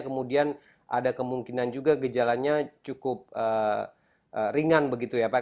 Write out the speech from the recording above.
kemudian ada kemungkinan juga gejalanya cukup ringan begitu ya pak